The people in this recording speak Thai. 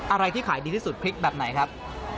อะไรที่ขายดีที่สุดพริกแบบไหนครับ